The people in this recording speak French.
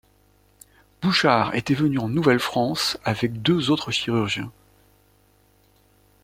Bouchard était venu en Nouvelle-France avec deux autres chirurgiens.